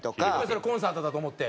それコンサートだと思って？